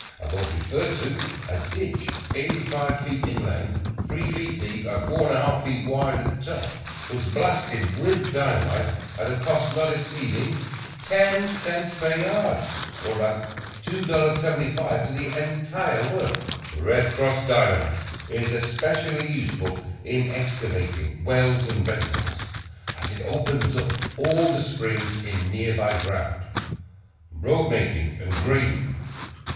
above referred to, a ditch 85 feet in length, 3 feet deep and 4 1/2 feet wide at the top, was blasted with dynamite, at a cost not exceeding 10 cents per yard, or about $2.75 for the entire work. "Red Cross" Dynamite is especially useful in excavating wells and reservoirs, as it opens up all the springs in nearby ground. Road Making and Grading.